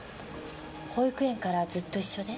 保育園からずっと一緒で？